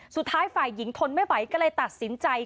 สุดท้ายฝ่ายหญิงทนไม่ไหวก็เลยตัดสินใจ